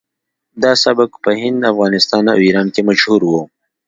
دا سبک په هند افغانستان او ایران کې مشهور و